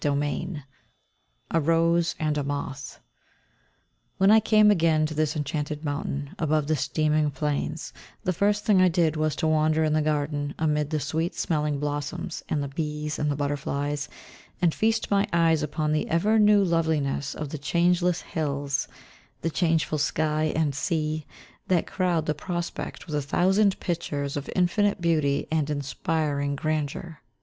XXV A ROSE AND A MOTH When I came again to this enchanted mountain, above the steaming plains, the first thing I did was to wander in the garden, amid the sweet smelling blossoms and the bees and butterflies, and feast my eyes upon the ever new loveliness of the changeless hills, the changeful sky and sea, that crowd the prospect with a thousand pictures of infinite beauty and inspiring grandeur.